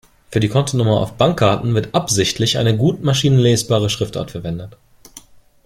Für die Kontonummer auf Bankkarten wird absichtlich eine gut maschinenlesbare Schriftart verwendet.